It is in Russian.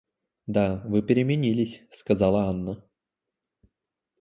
Да, вы переменились, — сказала Анна.